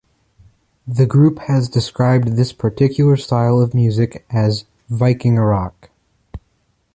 The group has described this particular style of music as "Vikingarock".